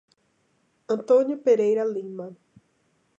Antônio Pereira Lima